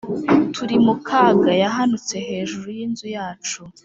Turimukaga yahanutse hejuru y’inzu yacu